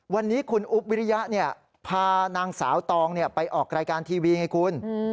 วันนี้คุณอุ๊บวิริยะพานางสาวตองไปออกรายการทีวีไงคุณ